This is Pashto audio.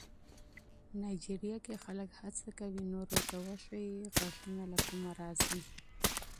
نایجیریا کې خلک هڅه کوي نورو ته وښيي غږونه له کومه راځي.